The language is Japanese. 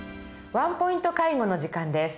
「ワンポイント介護」の時間です。